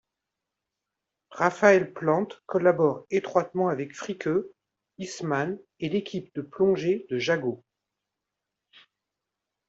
Raphaël Plante collabore étroitement avec Fricke, Hissmann et l'équipe de plongée de Jago.